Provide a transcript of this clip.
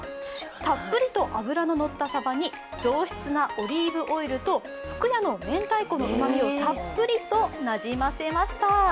たっぷりと脂ののったさばに上質なオリーブオイルとふくやのめんたいこのうまみをたっぷりとなじませました。